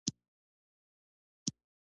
ولایتونه د افغان ماشومانو د زده کړې موضوع ده.